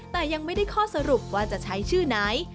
แต่ยังไม่ได้ข้อสรุปว่าจะใช้ชื่อไหน